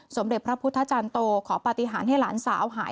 สมเด็จพระพุทธจารย์โตขอปฏิหารให้หลานสาวหาย